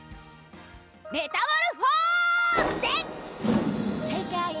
メタモルフォーゼ！